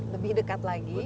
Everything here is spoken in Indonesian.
lebih dekat lagi